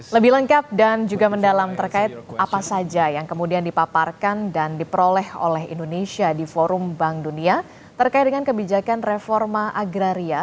lebih lengkap dan juga mendalam terkait apa saja yang kemudian dipaparkan dan diperoleh oleh indonesia di forum bank dunia terkait dengan kebijakan reforma agraria